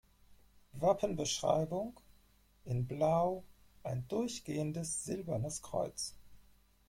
Wappenbeschreibung: In Blau ein durchgehendes silbernes Kreuz.